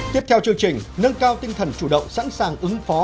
tiếp theo chương trình nâng cao tinh thần chủ động sẵn sàng ứng phó